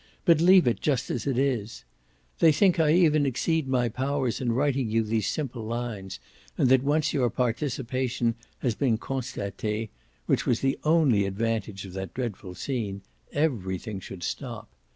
but leave it just as it is. They think I even exceed my powers in writing you these simple lines, and that once your participation has been constatee (which was the only advantage of that dreadful scene) EVERYTHING should stop.